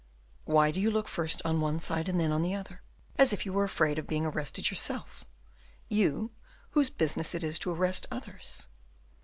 "Why do you look first on one side and then on the other, as if you were afraid of being arrested yourself, you whose business it is to arrest others?"